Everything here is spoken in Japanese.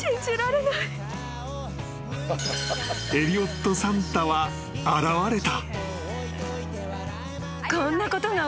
［エリオットサンタは現れた］